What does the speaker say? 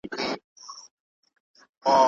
انا په خپلو سترگو کې د نوې هیلې رڼا ولیده.